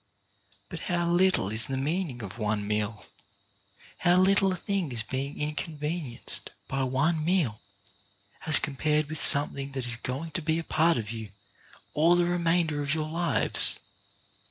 But how little is the meaning of one meal, how little a thing is being inconvenienced by one meal, as compared with something that is going to be a part of you all the remainder of your lives.